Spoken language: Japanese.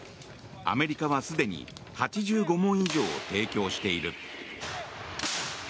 アメリカはすでに８５門以上を提供している。